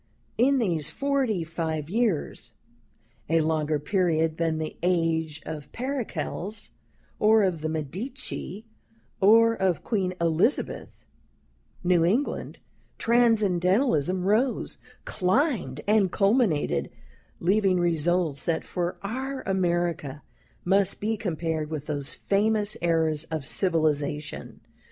In these forty five years, a longer period than the age of Pericles, or of the Medici, or of Queen Elizabeth, New England Transcendentalism rose, climbed, and culminated, leaving results that, for our America, must be compared with those famous eras of civilization.